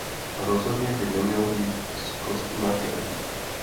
Rozhodně by neměl být zkostnatělý.